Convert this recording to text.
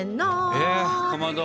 えっかまど。